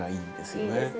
いいですね。